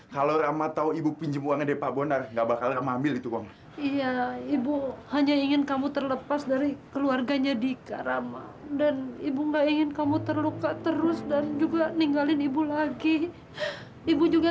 sampai jumpa di video selanjutnya